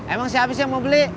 emang si habis yang mau beli